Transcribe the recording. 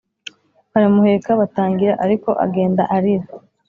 baramuheka batangira ariko agenda arira